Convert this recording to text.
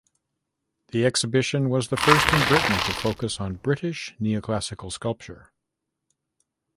The exhibition was the first in Britain to focus on British neoclassical sculpture.